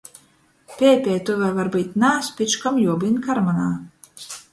Peipej tu voi varbyut nā, spičkom juobyun kārmynā.